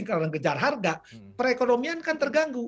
karena mengejar harga perekonomian kan terganggu